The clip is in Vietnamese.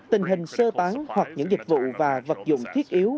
tình hình sơ tán hoặc những dịch vụ và vật dụng thiết yếu